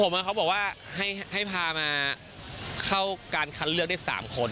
ของผมเขาบอกว่าให้พามาเข้าการเคลื่อนได้๓คน